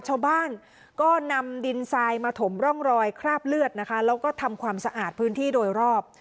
ชาวบ้านก็นำดินทรายมาถมร่องรอยคราบเลือดนะคะแล้วก็ทำความสะอาดพื้นที่โดยรอบ